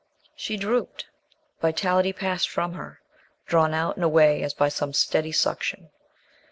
She drooped. Vitality passed from her, drawn out and away as by some steady suction.